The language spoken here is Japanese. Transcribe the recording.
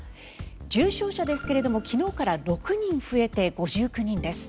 重症者ですが昨日から６人増えて５９人です。